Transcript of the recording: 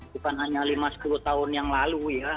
bukan hanya lima sepuluh tahun yang lalu ya